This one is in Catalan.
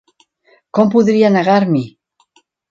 Com podria negar-m'hi?